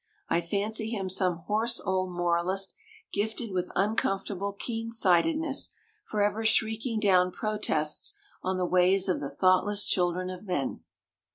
I fancy him some hoarse old moralist, gifted with uncomfortable keen sightedness, forever shrieking down protests on the ways of the thoughtless children of men.